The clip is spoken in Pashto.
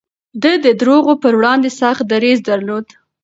ده د دروغو پر وړاندې سخت دريځ درلود.